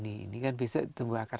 ini kan bisa tumbuh akar